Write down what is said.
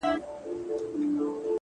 • لا یې نه وو د آرام نفس ایستلی ,